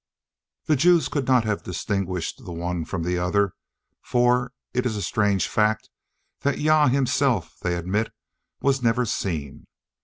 The Jews could not have distinguished the one from the other; for it is a strange fact that Jah himself, they admit, was never seen.